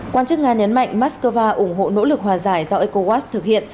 quan chức nga nhấn mạnh moscow ủng hộ nỗ lực hòa giải do ecowas thực hiện